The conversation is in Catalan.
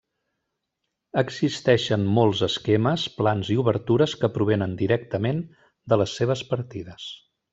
Existeixen molts esquemes, plans i obertures que provenen directament de les seves partides.